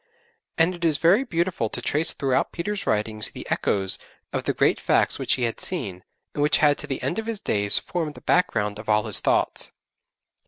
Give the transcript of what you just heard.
And it is very beautiful to trace throughout Peter's writings the echoes of the great facts which he had seen, and which to the end of his days formed the background of all his thoughts.